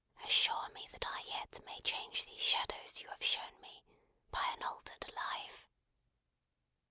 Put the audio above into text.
Assure me that I yet may change these shadows you have shown me, by an altered life!"